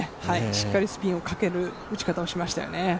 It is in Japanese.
しっかりスピンをかける打ち方をしましたよね。